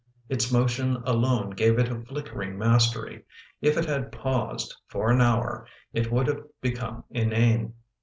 Its motion alone gave it a flickering mastery: if it had paused, for an hour, it would have be come inane.